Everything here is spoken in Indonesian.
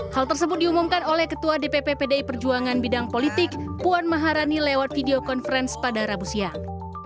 hal tersebut diumumkan oleh ketua dpp pdi perjuangan bidang politik puan maharani lewat video conference pada rabu siang